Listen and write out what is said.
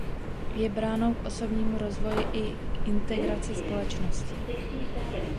Je bránou k osobnímu rozvoji i k integraci společnosti.